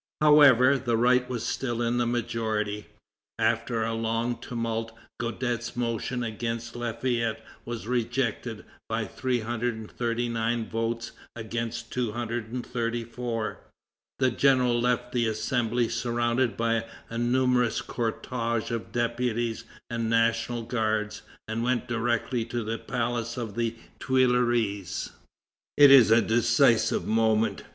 However, the right was still in the majority. After a long tumult Guadet's motion against Lafayette was rejected by 339 votes against 234. The general left the Assembly surrounded by a numerous cortège of deputies and National Guards, and went directly to the palace of the Tuileries. It is the decisive moment.